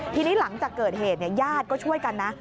ทีนี้หลังจากเกิดเหตุญาติก็ช่วยกันนะ